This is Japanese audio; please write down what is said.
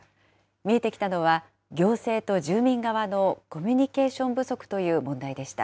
見えてきたのは、行政と住民側のコミュニケーション不足という問題でした。